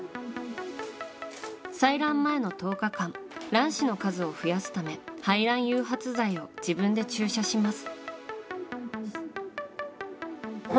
採卵前の１０日間卵子の数を増やすため排卵誘発剤を自分で注射します。